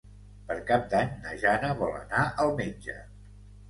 Per Cap d'Any na Jana vol anar al metge.